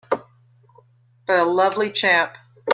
But a lovely chap!